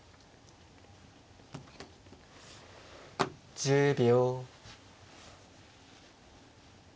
１０秒。